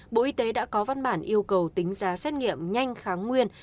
bộ y tế đã có văn bản yêu cầu tính giá xét nghiệm nhanh kháng nguyên